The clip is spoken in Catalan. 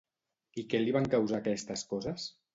I què li van causar aquestes coses?